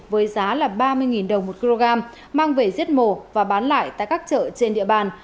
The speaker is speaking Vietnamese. với giá là ba mươi đồng một kg mang về giết mổ và bán lại tại các chợ trên địa bàn